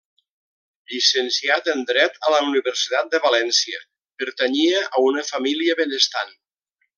Llicenciat en dret a la Universitat de València, pertanyia a una família benestant.